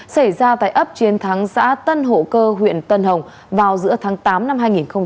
xảy ra tại ấp chiến thắng xã tân hộ cơ huyện tân hồng vào giữa tháng tám năm hai nghìn hai mươi ba